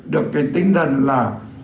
được cái tinh thần là